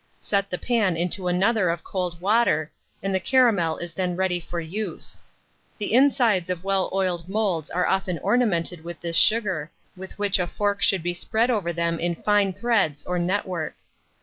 Set the pan into another of cold water, and the caramel is then ready for use. The insides of well oiled moulds are often ornamented with this sugar, which with a fork should be spread over them in fine threads or network.